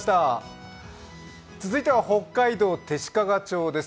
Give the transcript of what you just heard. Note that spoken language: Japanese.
続いては北海道弟子屈町です。